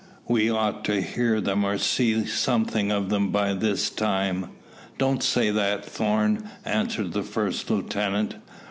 "We ought to hear them or see something of them by this time." "Don't say that, Thorn," answered the first lieutenant.